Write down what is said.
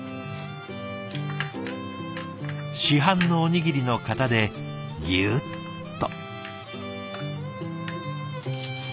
市販のおにぎりの型でぎゅっと。